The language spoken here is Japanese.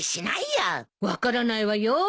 分からないわよ。